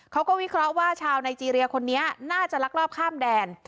วิเคราะห์ว่าชาวไนเจรียคนนี้น่าจะลักลอบข้ามแดน